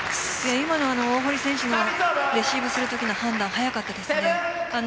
今の大堀選手のレシーブするときの判断早かったですね。